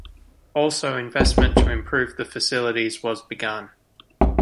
Also investment to improve the facilities was begun.